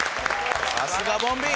さすがボンビー！